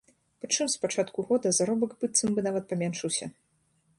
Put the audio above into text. Прычым з пачатку года заробак быццам бы нават паменшыўся.